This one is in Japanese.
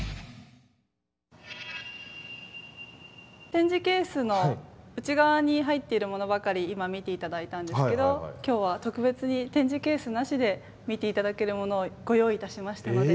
展示ケースの内側に入っているものばかり今見て頂いたんですけど今日は特別に展示ケースなしで見て頂けるものをご用意いたしましたので。